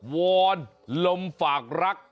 วอนลมฝากรัก